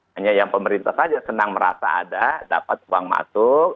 hanya yang pemerintah saja senang merasa ada dapat uang masuk